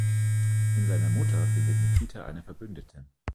In seiner Mutter findet Nikita eine Verbündete.